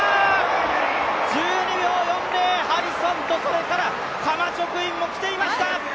１２秒４０、ハリソンとカマチョクインも来ていました！